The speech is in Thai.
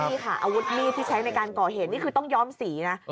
นี่ค่ะอาวุธมีดที่ใช้ในการก่อเหตุนี่คือต้องย้อมสีนะ